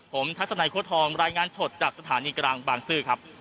ผมทัศนัยโค้ทองรายงานสดจากสถานีกลางบางซื่อครับ